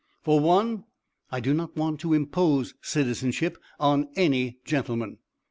For one, I do not want to impose citizenship on any gentlemen.